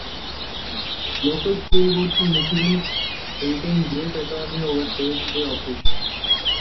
Local school boards in Michigan retain great autonomy over day-to-day operations.